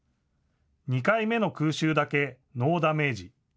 ２回目の空襲だけ、ノーダメージ。